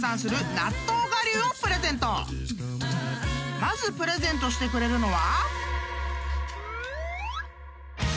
［まずプレゼントしてくれるのは］